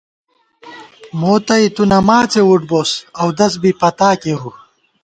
موتَئ تُو نماڅے وُٹ بوس، اودَس بی پتا کېرُو